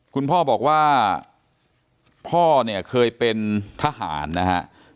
คุณพ่อบอกว่าพ่อเนี่ยเคยเป็นทหารนะฮะ